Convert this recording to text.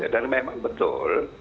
dan memang betul